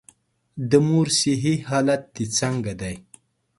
د مور صحي حالت دي څنګه دی؟